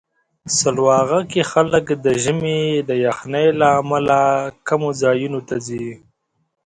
سلواغه کې خلک د ژمي د یخنۍ له امله کمو ځایونو ته ځي.